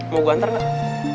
mau gua hantar gak